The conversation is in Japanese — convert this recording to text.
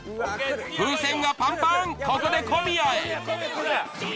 風船がパンパンここで小宮へ。